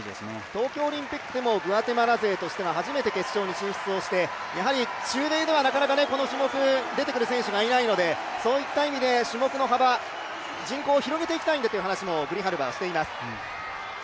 東京オリンピックでもグアテマラ勢としては初めて決勝に進出して中米ではなかなかこの種目、出てくる選手がいないので、そういった意味で種目の幅、人口を広げていきたいんだという話もグリハルバはしています。